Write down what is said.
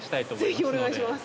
ぜひお願いします！